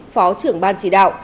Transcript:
phó trưởng ban chỉ đạo